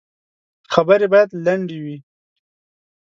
خبري باید لنډي وي .